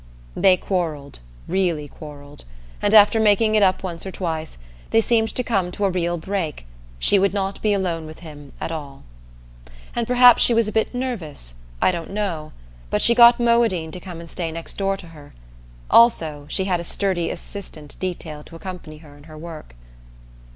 They quarreled, really quarreled, and after making it up once or twice, they seemed to come to a real break she would not be alone with him at all. And perhaps she was a bit nervous, I don't know, but she got Moadine to come and stay next door to her. Also, she had a sturdy assistant detailed to accompany her in her work.